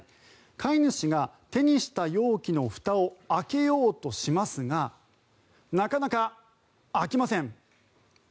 飼い主が手にした容器のふたを開けようとしますがなかなか開きません。